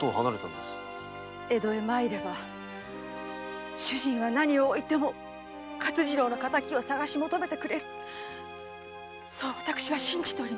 江戸へ参れば主人は何をおいても勝次郎の敵を捜し求めてくれる私はそう信じておりました。